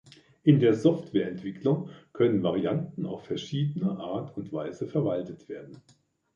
In der Softwareentwicklung können Varianten auf verschiedene Art und Weise verwaltet werden.